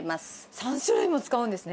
３種類も使うんですね。